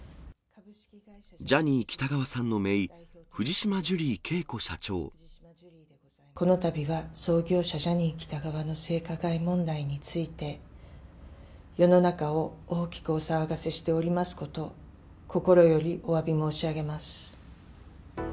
ジャニー喜多川さんのめい、このたびは創業者、ジャニー喜多川の性加害問題について、世の中を大きくお騒がせしておりますことを、心よりおわび申し上げます。